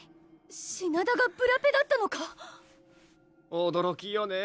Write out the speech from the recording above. ⁉品田がブラペだったのかおどろきよね